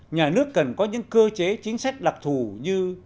nhà nước cần có những cơ chế chính sách đặc thù như